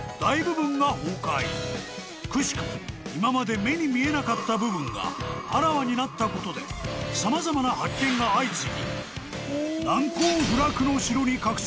［くしくも今まで目に見えなかった部分があらわになったことで様々な発見が相次ぎ難攻不落の］